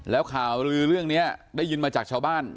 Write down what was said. แล้วข่าวลือเรื่องนี้ได้ยินมาจากชาวบ้าน